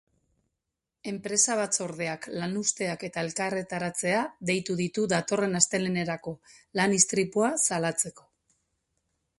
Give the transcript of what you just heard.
Enpresa-batzordeak lanuzteak eta elkarretaratzea deitu ditu datorren astelehenerako, lan-istripua salatzeko.